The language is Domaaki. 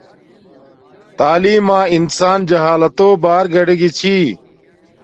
تعلیم ما انسان جہالتو بار گاڈگی چھی